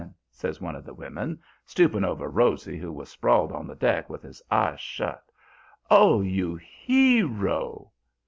says one of the women, stooping over Rosy, who was sprawled on the deck with his eyes shut, 'Oh, you HERO!'